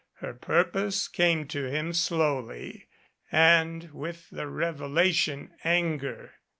Her purpose came to him slowly, and with the revelation, anger.